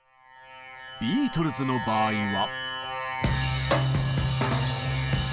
ビートルズの場合は。